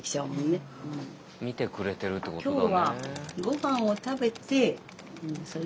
見てくれてるってことだね。